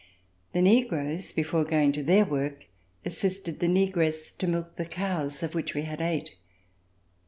The negroes before going to their work assisted the negress to milk the cows, of which we had eight.